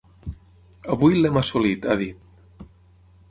Avui l’hem assolit, ha dit.